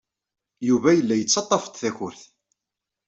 Yuba yella yettaḍḍaf-d takurt.